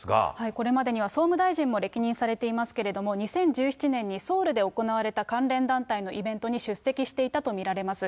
これまでには総務大臣も歴任されていますけれども、２０１７年にソウルで行われた関連団体のイベントに出席していたと見られます。